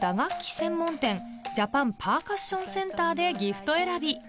専門店ジャパン・パーカッション・センターでギフト選び